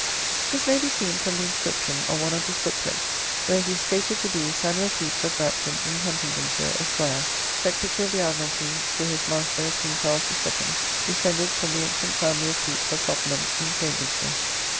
This may be seen from the inscription on one of his book plates, where he is stated to be: "Samuel Pepys of Brampton in Huntingdonshire, Esq., Secretary of the Admiralty to his Matr. King Charles the Second: Descended from ye antient family of Pepys of Cottenham in Cambridgeshire."